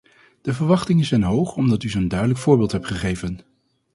De verwachtingen zijn hoog omdat u zo’n duidelijk voorbeeld hebt gegeven.